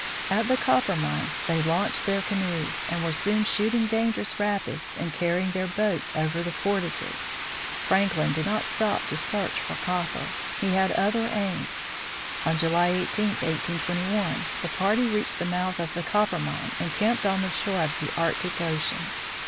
At the Coppermine they launched their canoes, and were soon shooting dangerous rapids, and carrying their boats over the portages. Franklin did not stop to search for cop per ; he had other aims. On July 1 8, 1821, the party reached the mouth of the Coppermine and camped on the shore of the Arctic ocean.